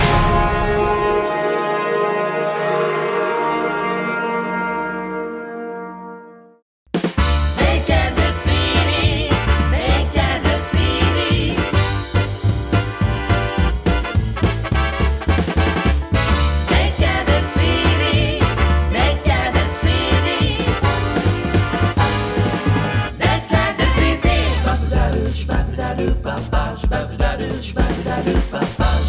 โปรดติดตามตอนต่อไป